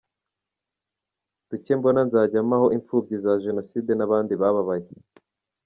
Duke mbona nzajya mpaho imfubyi za Jenoside n’abandi bababaye.